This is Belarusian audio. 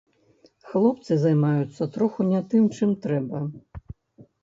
Хлопцы займаюцца троху не тым, чым трэба.